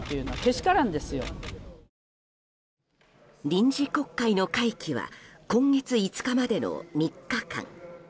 臨時国会の会期は今月５日までの３日間。